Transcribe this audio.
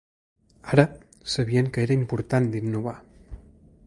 Ara, sabien que era important d’innovar.